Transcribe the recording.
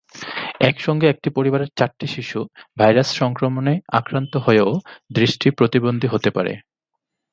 একসঙ্গে একটি পরিবারের চারটি শিশু ভাইরাস সংক্রমণে আক্রান্ত হয়েও দৃষ্টিপ্রতিবন্ধী হতে পারে।